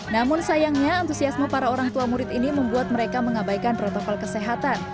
namun sayangnya antusiasme para orang tua murid ini membuat mereka mengabaikan protokol kesehatan